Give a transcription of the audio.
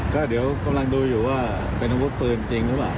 ก็เดี๋ยวกำลังดูอยู่ว่าเป็นอาวุธปืนจริงหรือเปล่า